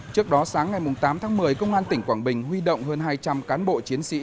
trước đó sáng ngày tám tháng một mươi công an tỉnh quảng bình huy động hơn hai trăm linh cán bộ chiến sĩ